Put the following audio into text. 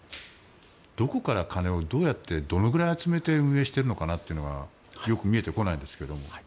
どこから金をどうやってどのくらい集めて運営しているのかなというのがよく見えてこないですけど。